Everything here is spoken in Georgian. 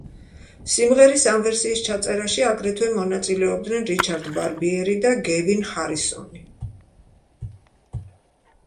სიმღერის ამ ვერსიის ჩაწერაში აგრეთვე მონაწილეობდნენ რიჩარდ ბარბიერი და გევინ ჰარისონი.